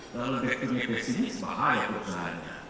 kalau direkturnya pesimis bahaya perusahaannya